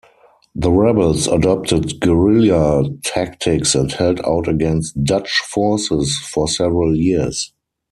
The rebels adopted guerrilla tactics and held out against Dutch forces for several years.